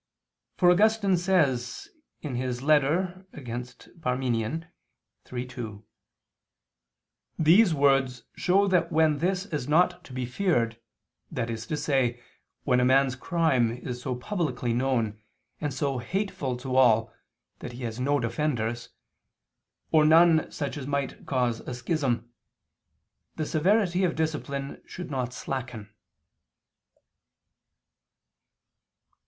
For, Augustine says (Contra Ep. Parmen. iii, 2) "these words show that when this is not to be feared, that is to say, when a man's crime is so publicly known, and so hateful to all, that he has no defenders, or none such as might cause a schism, the severity of discipline should not slacken."